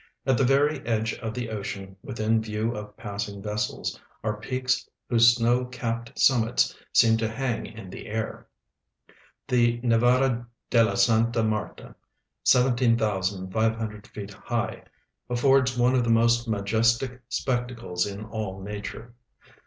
At the very edge of the ocean, within view of passing vessels, are jreaks whose snow capped summits seem to hang in the air. •The Nevada de la Santa ISIarta, 17,500 feet high, affords one of the most majestic spectacles in ail nature.